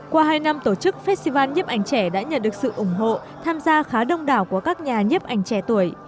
qua hai năm tổ chức festival nhếp ảnh trẻ đã nhận được sự ủng hộ tham gia khá đông đảo của các nhà nhếp ảnh trẻ tuổi